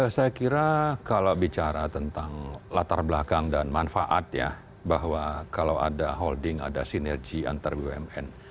saya kira kalau bicara tentang latar belakang dan manfaat ya bahwa kalau ada holding ada sinergi antar bumn